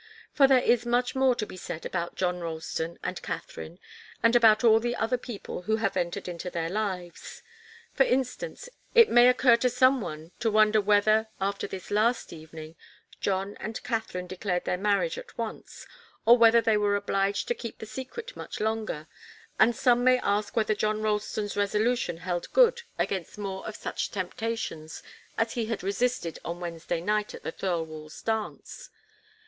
For there is much more to be said about John Ralston and Katharine, and about all the other people who have entered into their lives. For instance, it may occur to some one to wonder whether, after this last evening, John and Katharine declared their marriage at once, or whether they were obliged to keep the secret much longer, and some may ask whether John Ralston's resolution held good against more of such temptations as he had resisted on Wednesday night at the Thirlwalls' dance.